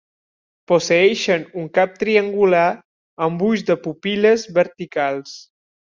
Posseeixen un cap triangular, amb ulls de pupil·les verticals.